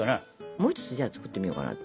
もう一つじゃあ作ってみようかなって。